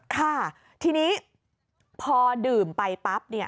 ค่ะทีนี้พอดื่มไปปั๊บ